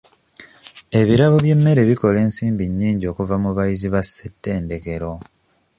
Ebirabo by'emmere bikola ensimbi nnyingi okuva mu bayizi ba ssettendekero..